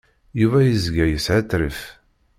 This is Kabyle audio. Yuba yezga yeshetrif.